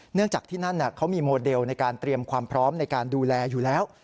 เนื่องจากที่นั่นเขามีโมเดลในการเตรียมความพร้อมในการดูแลอยู่แล้ว